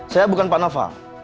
saya bukan pak noval